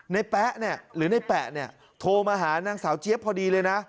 แป๊ะเนี่ยหรือในแปะเนี่ยโทรมาหานางสาวเจี๊ยบพอดีเลยนะ